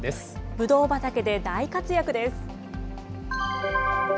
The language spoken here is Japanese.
ぶどう畑で大活躍です。